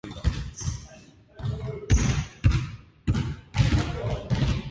愛情は瞬間的な感情ではない.―ジグ・ジグラー―